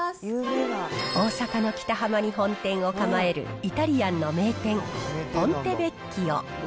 大阪の北浜に本店を構えるイタリアンの名店、ポンテベッキオ。